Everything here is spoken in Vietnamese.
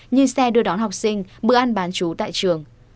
như xe đưa đón học sinh bữa ăn bán chú tại trường